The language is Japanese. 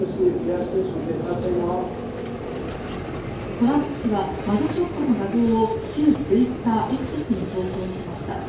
トランプ氏はマグショットの画像を旧ツイッター、Ｘに投稿しました。